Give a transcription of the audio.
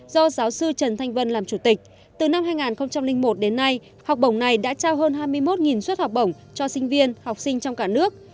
một đến nay học bổng này đã trao hơn hai mươi một xuất học bổng cho sinh viên học sinh trong cả nước